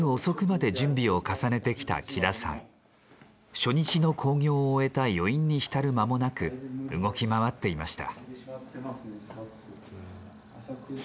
初日の興行を終えた余韻に浸る間もなく動き回っていました。